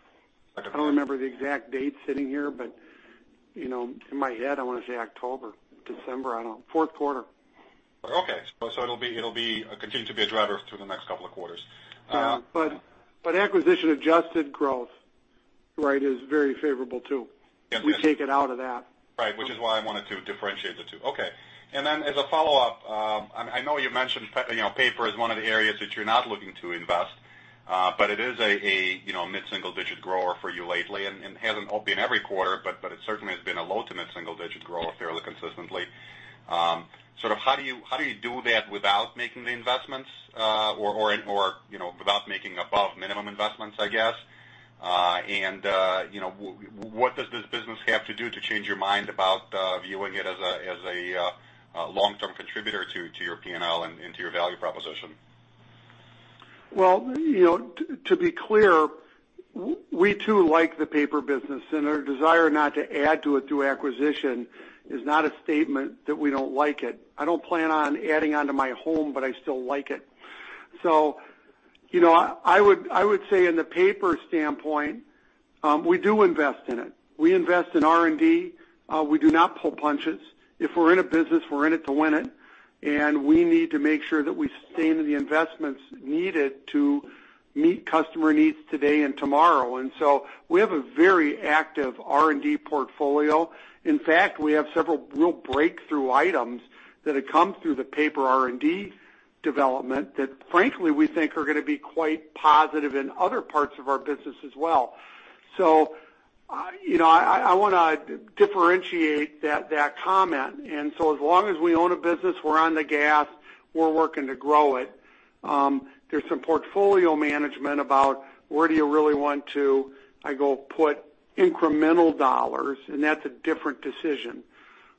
Q: Okay.
C: I don't remember the exact date sitting here, but in my head, I want to say October, December. I don't know. Fourth quarter.
Q: Okay. It'll continue to be a driver through the next couple of quarters.
C: Acquisition-adjusted growth, right, is very favorable, too.
Q: Yes.
C: We take it out of that.
Q: Right. Which is why I wanted to differentiate the two. Okay. As a follow-up, I know you mentioned paper is one of the areas that you're not looking to invest. It is a mid-single digit grower for you lately, and it hasn't been every quarter, but it certainly has been a low to mid-single digit grower fairly consistently. Sort of, how do you do that without making the investments or without making above minimum investments, I guess? What does this business have to do to change your mind about viewing it as a long-term contributor to your P&L and to your value proposition?
C: Well, to be clear, we too like the paper business, our desire not to add to it through acquisition is not a statement that we don't like it. I don't plan on adding onto my home, but I still like it. I would say in the paper standpoint, we do invest in it. We invest in R&D. We do not pull punches. If we're in a business, we're in it to win it, and we need to make sure that we sustain the investments needed to meet customer needs today and tomorrow. We have a very active R&D portfolio. In fact, we have several real breakthrough items that have come through the paper R&D development that frankly, we think are going to be quite positive in other parts of our business as well. I want to differentiate that comment. As long as we own a business, we're on the gas, we're working to grow it. There's some portfolio management about where do you really want to, I go put incremental dollars, and that's a different decision.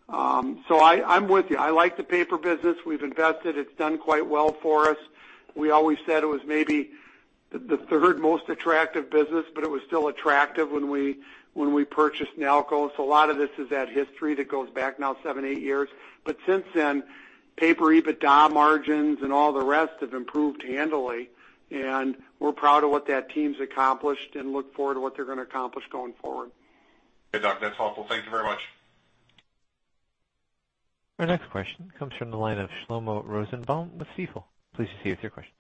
C: I'm with you. I like the paper business. We've invested. It's done quite well for us. We always said it was maybe the third most attractive business, but it was still attractive when we purchased Nalco. A lot of this is that history that goes back now seven, eight years. Since then, paper EBITDA margins and all the rest have improved handily, and we're proud of what that team's accomplished and look forward to what they're going to accomplish going forward.
Q: Okay, Doug, that's helpful. Thank you very much.
A: Our next question comes from the line of Shlomo Rosenbaum with Stifel. Please proceed with your question.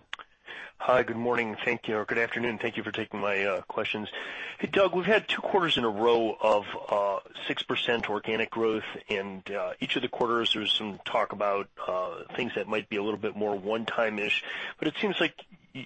R: Hi, good morning. Thank you. Good afternoon. Thank you for taking my questions. Doug, we've had two quarters in a row of 6% organic growth, each of the quarters, there's some talk about things that might be a little bit more one-time-ish, but it seems like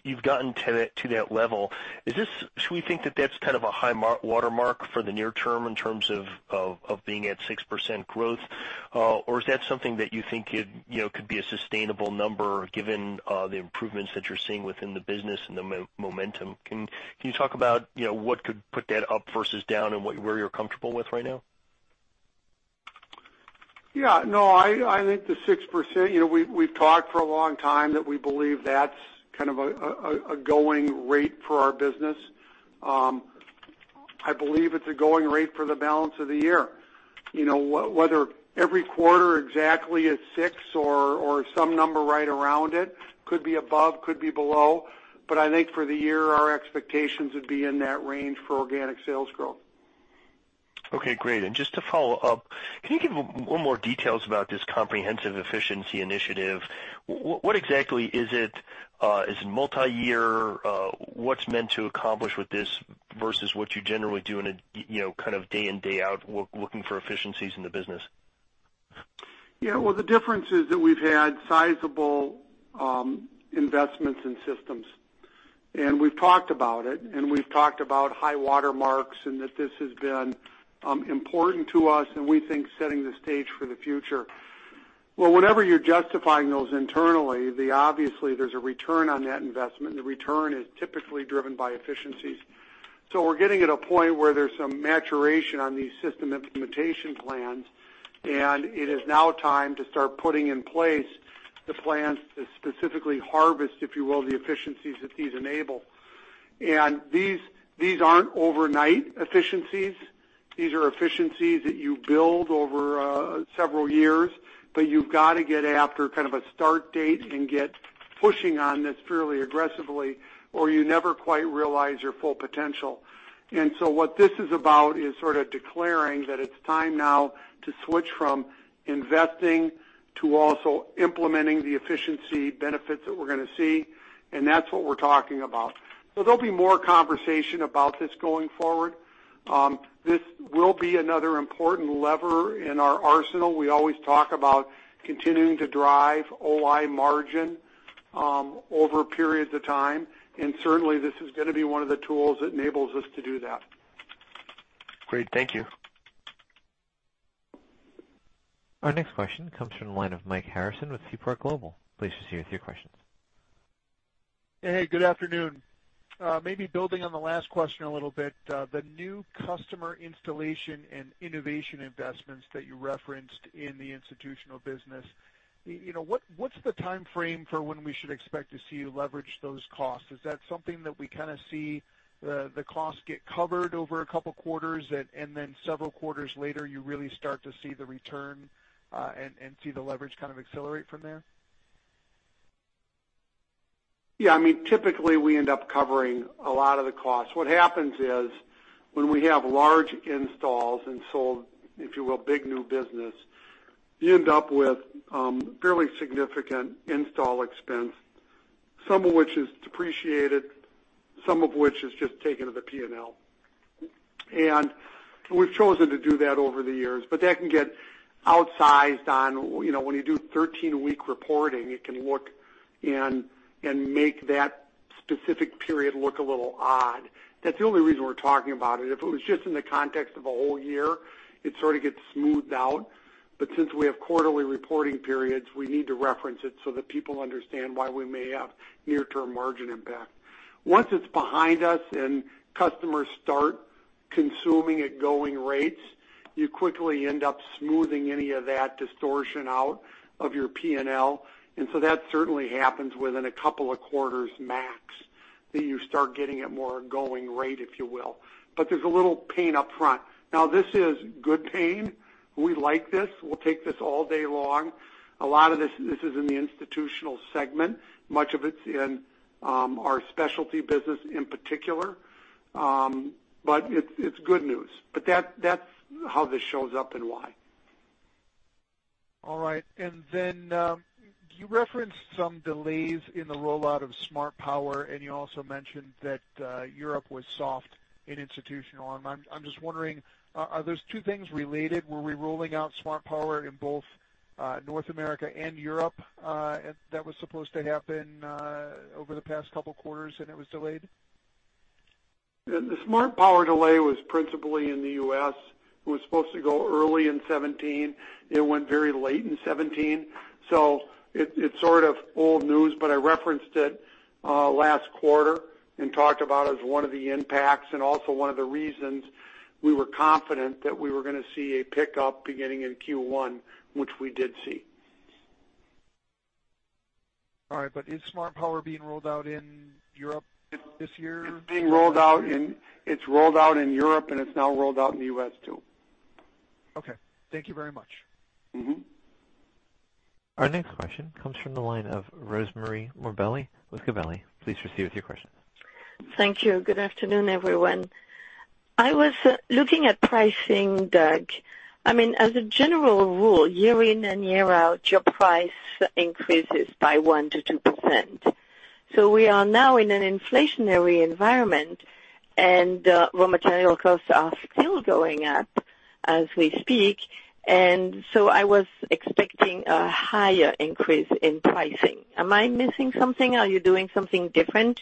R: you've gotten to that level. Should we think that that's kind of a high watermark for the near term in terms of being at 6% growth? Is that something that you think could be a sustainable number given the improvements that you're seeing within the business and the momentum? Can you talk about what could put that up versus down and where you're comfortable with right now?
C: No, I think the 6%, we've talked for a long time that we believe that's kind of a going rate for our business. I believe it's a going rate for the balance of the year. Whether every quarter exactly at six or some number right around it, could be above, could be below. I think for the year, our expectations would be in that range for organic sales growth.
R: Okay, great. Just to follow up, can you give one more details about this comprehensive efficiency initiative? What exactly is it? Is it multi-year? What's meant to accomplish with this versus what you generally do in a kind of day in, day out, looking for efficiencies in the business?
C: Well, the difference is that we've had sizable investments in systems. We've talked about it, and we've talked about high water marks and that this has been important to us and we think setting the stage for the future. Well, whenever you're justifying those internally, obviously there's a return on that investment, and the return is typically driven by efficiencies. We're getting at a point where there's some maturation on these system implementation plans, and it is now time to start putting in place the plans to specifically harvest, if you will, the efficiencies that these enable. These aren't overnight efficiencies. These are efficiencies that you build over several years, but you've got to get after kind of a start date and get pushing on this fairly aggressively, or you never quite realize your full potential. What this is about is sort of declaring that it is time now to switch from investing to also implementing the efficiency benefits that we are going to see, and that is what we are talking about. There will be more conversation about this going forward. This will be another important lever in our arsenal. We always talk about continuing to drive OI margin over periods of time, and certainly, this is going to be one of the tools that enables us to do that.
R: Great. Thank you.
A: Our next question comes from the line of Mike Harrison with Seaport Global. Please proceed with your questions.
S: Hey, good afternoon. Maybe building on the last question a little bit, the new customer installation and innovation investments that you referenced in the institutional business, what is the timeframe for when we should expect to see you leverage those costs? Is that something that we kind of see the cost get covered over a couple of quarters, and then several quarters later, you really start to see the return and see the leverage kind of accelerate from there?
C: Yeah, typically, we end up covering a lot of the costs. What happens is when we have large installs and so, if you will, big new business, you end up with fairly significant install expense, some of which is depreciated, some of which is just taken to the P&L. We've chosen to do that over the years, but that can get outsized when you do 13-week reporting, it can look and make that specific period look a little odd. That's the only reason we're talking about it. If it was just in the context of a whole year, it sort of gets smoothed out. Since we have quarterly reporting periods, we need to reference it so that people understand why we may have near-term margin impact. Once it's behind us and customers start consuming at going rates, you quickly end up smoothing any of that distortion out of your P&L. That certainly happens within a couple of quarters max. You start getting at more going rate, if you will. There's a little pain up front. Now, this is good pain. We like this. We'll take this all day long. A lot of this is in the institutional segment. Much of it's in our specialty business in particular. It's good news. That's how this shows up and why.
S: All right. You referenced some delays in the rollout of SMARTPOWER, and you also mentioned that Europe was soft in institutional. I'm just wondering, are those two things related? Were we rolling out SMARTPOWER in North America and Europe, that was supposed to happen over the past couple quarters, and it was delayed?
C: The SMARTPOWER delay was principally in the U.S. It was supposed to go early in 2017. It went very late in 2017. It's sort of old news, but I referenced it last quarter and talked about it as one of the impacts and also one of the reasons we were confident that we were going to see a pickup beginning in Q1, which we did see.
S: All right. Is SMARTPOWER being rolled out in Europe this year?
C: It's rolled out in Europe, and it's now rolled out in the U.S., too.
S: Okay. Thank you very much.
A: Our next question comes from the line of Rosemarie Morbelli with Gabelli. Please proceed with your question.
T: Thank you. Good afternoon, everyone. I was looking at pricing, Doug. As a general rule, year in and year out, your price increases by 1%-2%. We are now in an inflationary environment, raw material costs are still going up as we speak. I was expecting a higher increase in pricing. Am I missing something? Are you doing something different?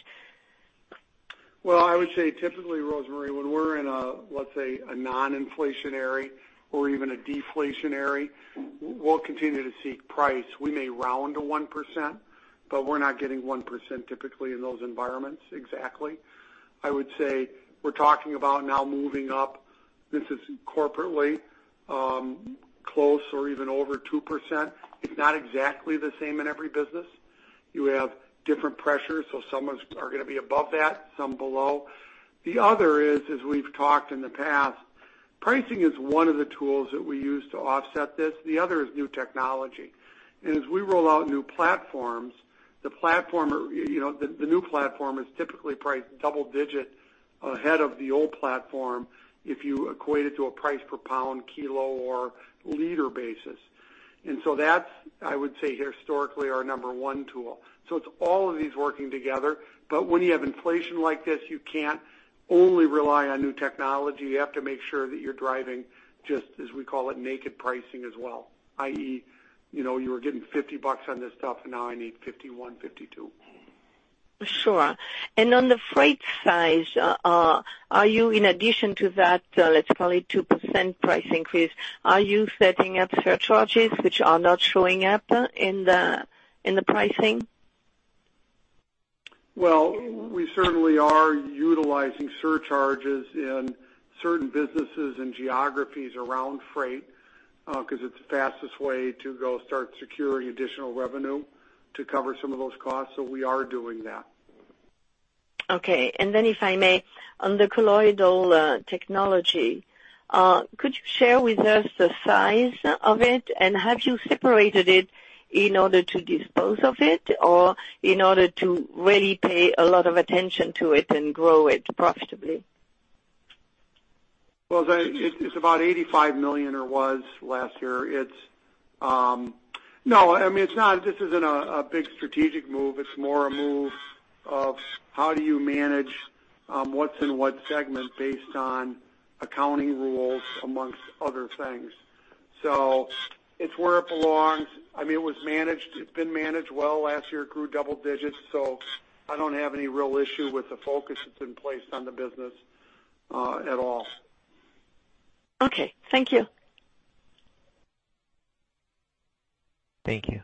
C: Well, I would say typically, Rosemarie, when we're in a, let's say, a non-inflationary or even a deflationary, we'll continue to seek price. We may round to 1%, but we're not getting 1% typically in those environments, exactly. I would say we're talking about now moving up, this is corporately, close or even over 2%. It's not exactly the same in every business. You have different pressures, so some are going to be above that, some below. The other is, as we've talked in the past, pricing is one of the tools that we use to offset this. The other is new technology. As we roll out new platforms, the new platform is typically priced double-digit ahead of the old platform, if you equate it to a price per pound, kilo, or liter basis. That's, I would say, historically our number one tool. It's all of these working together. When you have inflation like this, you can't only rely on new technology. You have to make sure that you're driving just as we call it, naked pricing as well, i.e., you were getting $50 on this stuff, and now I need $51, $52.
T: Sure. On the freight size, are you in addition to that, let's call it 2% price increase, are you setting up surcharges which are not showing up in the pricing?
C: Well, we certainly are utilizing surcharges in certain businesses and geographies around freight, because it's the fastest way to go start securing additional revenue to cover some of those costs. We are doing that.
T: Okay. If I may, on the Colloidal Technologies, could you share with us the size of it? Have you separated it in order to dispose of it or in order to really pay a lot of attention to it and grow it profitably?
C: Well, it's about $85 million, or was last year. No, this isn't a big strategic move. It's more a move of how do you manage what's in what segment based on accounting rules, amongst other things. It's where it belongs. It was managed. It's been managed well. Last year, it grew double digits. I don't have any real issue with the focus that's in place on the business at all.
T: Okay. Thank you.
A: Thank you.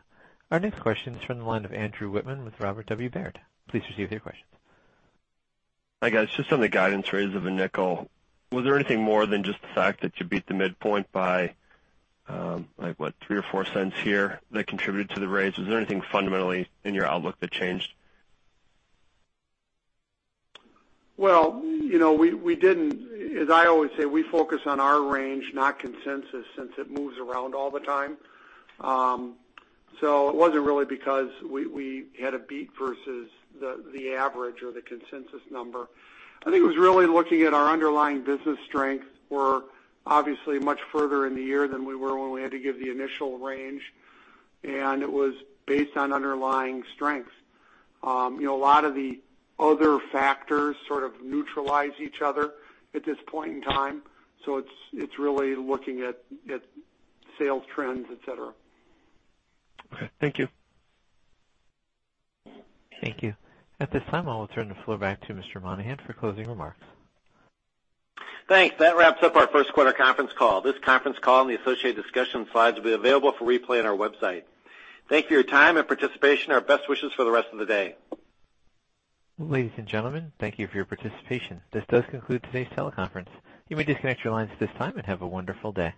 A: Our next question is from the line of Andrew Wittmann with Robert W. Baird. Please proceed with your question.
U: Hi, guys. Just on the guidance raise of $0.05, was there anything more than just the fact that you beat the midpoint by what, $0.03 or $0.04 here that contributed to the raise? Is there anything fundamentally in your outlook that changed?
C: Well, we didn't. As I always say, we focus on our range, not consensus, since it moves around all the time. It wasn't really because we had a beat versus the average or the consensus number. I think it was really looking at our underlying business strength. We're obviously much further in the year than we were when we had to give the initial range, and it was based on underlying strength. A lot of the other factors sort of neutralize each other at this point in time. It's really looking at sales trends, et cetera.
U: Okay. Thank you.
A: Thank you. At this time, I'll return the floor back to Mr. Monahan for closing remarks.
B: Thanks. That wraps up our first quarter conference call. This conference call and the associated discussion slides will be available for replay on our website. Thank you for your time and participation. Our best wishes for the rest of the day.
A: Ladies and gentlemen, thank you for your participation. This does conclude today's teleconference. You may disconnect your lines at this time, and have a wonderful day.